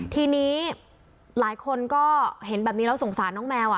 ทีนี้หลายคนก็เห็นแบบนี้แล้วสงสารน้องแมว